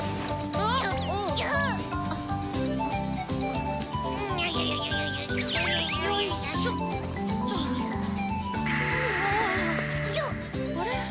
あれ？